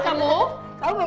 itu itu itu siapa itu